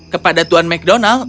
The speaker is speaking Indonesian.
kepada tuan mcdonald